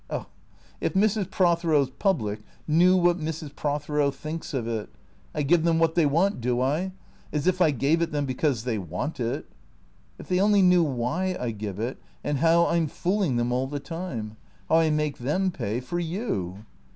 Oh — if Mrs. Prothero's public knew what Mrs. Prothero thinks of it. I give them what they want, do I ? As if I gave it them because they want it. If they only knew why I give it, and how I 'm fooling them all the time! How I make them pay — for you!